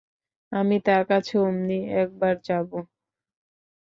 আমি তাঁর কাছে অমনি একবার যাব।